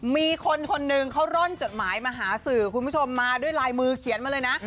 มีคนคนหนึ่งเขาร่อนจดหมายมาหาสื่อคุณผู้ชมมาด้วยลายมือเขียนมาเลยนะ